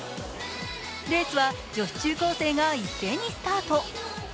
レースは女子中高生が一斉にスタート。